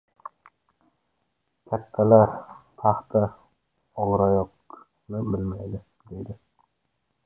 Kattalar, paxta og‘iroyoqni bilmaydi, deydi.